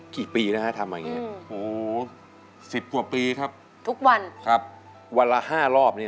กี่ปีนะคะทำแบบนี้